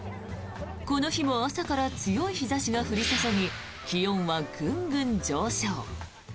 この日も朝から強い日差しが降り注ぎ気温はグングン上昇。